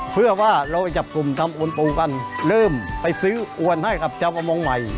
เพื่อว่าเราจับกลุ่มทำโอนปงกันเริ่มไปซื้อโอนให้กับชาวประมงใหม่